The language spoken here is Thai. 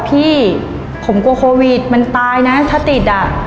พี่ผมกลัวโควิดมันตายนะถ้าติดอ่ะ